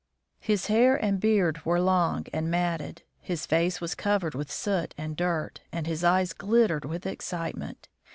His hair and beard were long and mat ted, his face was covered with soot and dirt, and his eyes glittered with excitement.